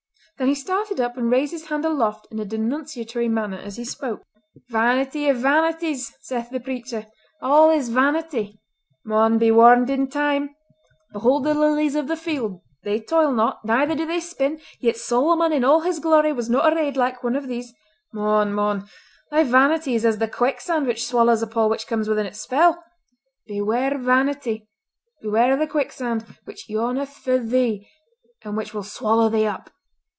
Then he started up and raised his hand aloft in a denunciatory manner as he spoke:— "'Vanity of vanities, saith the preacher. All is vanity.' Mon, be warned in time! 'Behold the lilies of the field, they toil not, neither do they spin, yet Solomon in all his glory was not arrayed like one of these.' Mon! Mon! Thy vanity is as the quicksand which swallows up all which comes within its spell. Beware vanity! Beware the quicksand, which yawneth for thee, and which will swallow thee up!